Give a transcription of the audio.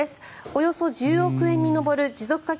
およそ１０億円に上る持続化